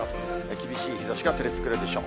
厳しい日ざしが照りつけるでしょう。